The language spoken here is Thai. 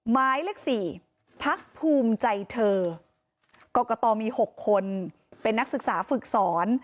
หมายเลข๔พักภูมิใจเธอกรกตมี๖คนเป็นนักศึกษาฝึกสอน